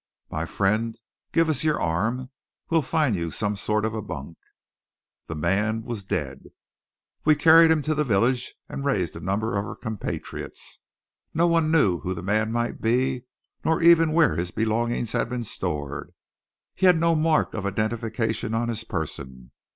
My friend, give us your arm. We'll find you some sort of a bunk." The man was dead. We carried him to the village and raised a number of our compatriots. Not one knew who the man might be, nor even where his belongings had been stored. He had no mark of identification on his person.